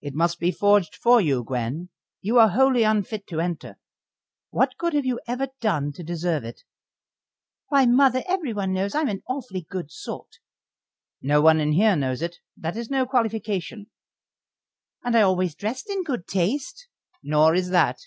"It must be forged for you, Gwen. You are wholly unfit to enter. What good have you ever done to deserve it?" "Why, mother, everyone knows I'm an awfully good sort." "No one in here knows it. That is no qualification." "And I always dressed in good taste." "Nor is that."